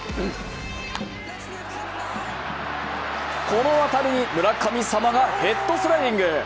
この当たりに村神様がヘッドスライディング。